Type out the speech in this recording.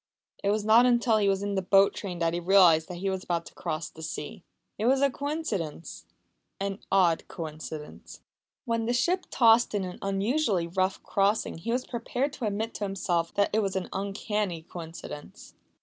It was not until he was in the boat train that he realised that he was about to cross the sea. It was a coincidence an odd coincidence. When the ship tossed in an unusually rough crossing he was prepared to admit to himself that it was an uncanny coincidence.